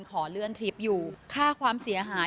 ขอเลื่อนทริปอยู่ค่าความเสียหาย